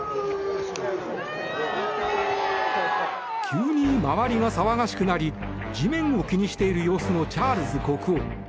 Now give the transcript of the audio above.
急に周りが騒がしくなり地面を気にしている様子のチャールズ国王。